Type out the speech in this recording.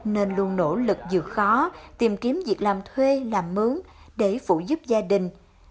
nên luôn nỗ lực vượt khó tìm kiếm việc làm thuê làm mướn để phụ giúp gia đình